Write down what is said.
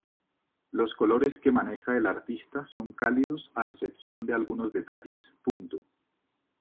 Los colores que maneja el artista son cálidos a excepción de algunos detalles.